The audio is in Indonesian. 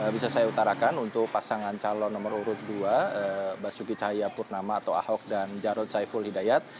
bisa saya utarakan untuk pasangan calon nomor urut dua basuki cahaya purnama atau ahok dan jarod saiful hidayat